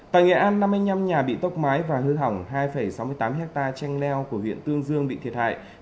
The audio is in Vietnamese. tại nghệ an năm mươi năm nhà bị tốc mái và hư hỏng hai sáu mươi tám hectare chanh leo của huyện tương dương bị thiệt hại